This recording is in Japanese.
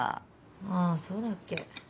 あぁそうだっけ。